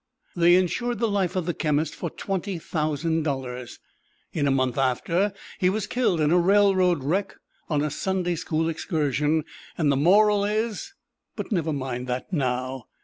They insured the life of the chemist for twenty thousand dollars. In a month after, he was killed in a railroad wreck on a Sunday School excursion. And the moral is but never mind that now.